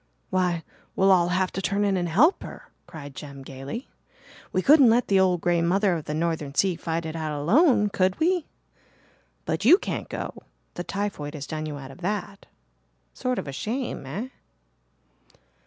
"Why, we'll all have to turn in and help her," cried Jem gaily. "We couldn't let the 'old grey mother of the northern sea' fight it out alone, could we? But you can't go the typhoid has done you out of that. Sort of a shame, eh?"